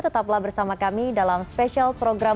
tetaplah bersama kami dalam spesial program